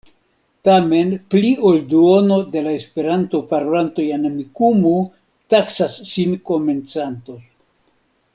Tamen pli ol duono de la Esperanto-parolantoj en Amikumu taksas sin komencantoj.